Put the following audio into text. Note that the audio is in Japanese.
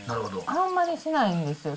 あんまりしないんですよ。